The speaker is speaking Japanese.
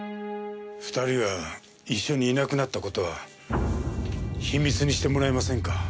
２人が一緒にいなくなった事は秘密にしてもらえませんか？